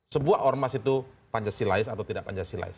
sebuah ormas itu pancasilais atau tidak pancasilais